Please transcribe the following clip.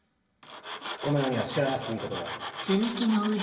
この世には知らなくていいことがある。